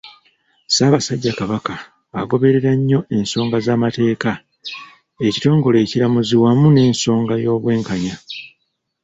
Ssaabasajja Kabaka agoberera nnyo ensonga z'amateeka, ekitongole ekiramuzi wamu n'ensonga y'Obwenkanya